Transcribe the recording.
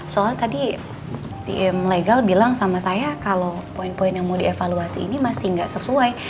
soalnya tadi tim legal bilang sama saya kalau poin poin yang mau dievaluasi ini masih nggak sesuai